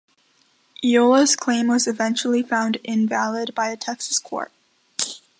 Eolas' claim was eventually found invalid by a Texas court.